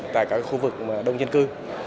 tại các khu vực đông nhân cư